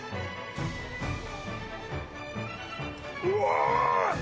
うわ！